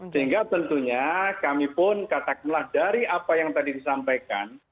sehingga tentunya kami pun katakanlah dari apa yang tadi disampaikan